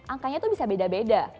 angkanya itu bisa beda beda